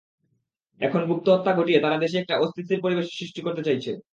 এখন গুপ্তহত্যা ঘটিয়ে তারা দেশে একটা অস্থিতিশীল পরিবেশ সৃষ্টি করতে চাইছে।